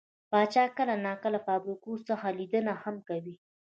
پاچا کله نا کله له فابريکو څخه ليدنه هم کوي .